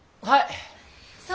はい。